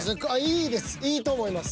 いいと思います。